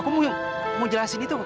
aku nyuruh om saya yang mengunjungi loh